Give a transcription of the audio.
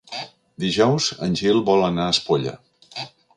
Dijous en Gil vol anar a Espolla.